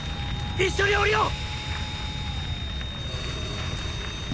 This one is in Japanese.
一緒に降りよう！